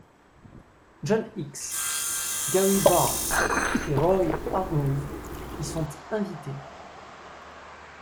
John Hicks, Gary Bartz et Roy Hargrove y sont invités.